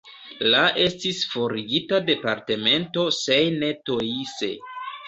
La estis forigita departemento Seine-et-Oise.